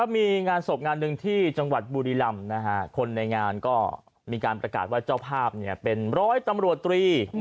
มีงานศพงานหนึ่งที่จังหวัดบุรีรำคนในงานก็มีการประกาศว่าเจ้าภาพเป็นร้อยตำรวจตรี